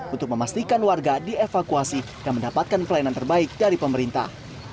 untuk memastikan warga dievakuasi dan mendapatkan pelayanan terbaik dari pemerintah